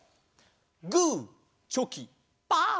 グーチョキパー！